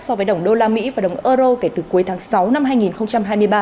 so với đồng đô la mỹ và đồng euro kể từ cuối tháng sáu năm hai nghìn hai mươi ba